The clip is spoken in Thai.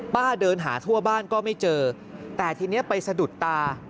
เดินหาทั่วบ้านก็ไม่เจอแต่ทีนี้ไปสะดุดตา